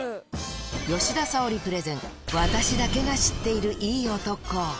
吉田沙保里プレゼン、私だけが知っているいい男。